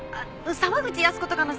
沢口靖子とかのさ。